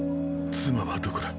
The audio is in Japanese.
妻はどこだ。